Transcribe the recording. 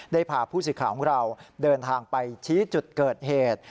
ได้พาผู้สิทธิขาของเราเดินทางไปชี้จุดเกิดเหตุ